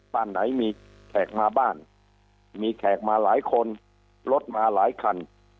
บ้านไหนมีแขกมาบ้านมีแขกมาหลายคนรถมาหลายคัน